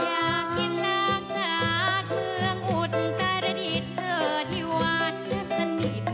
อยากกินลักษณะเมืองอุตรดิตเพื่อที่วาดและสนิท